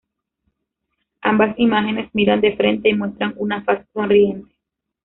Ambas imágenes miran de frente y muestran una faz sonriente.